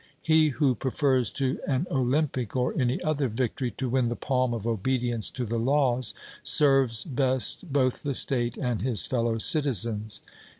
He who prefers to an Olympic, or any other victory, to win the palm of obedience to the laws, serves best both the state and his fellow citizens.